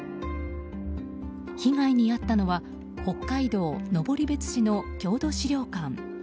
被害に遭ったのは北海道登別市の郷土資料館。